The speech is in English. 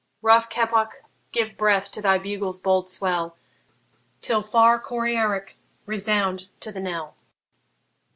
Rough Keppoch, give breath to thy bugle's bold swell, Till far Coryarrick resound to the knell!